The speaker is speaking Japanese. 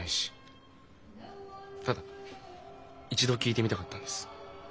ただ一度聞いてみたかったんです。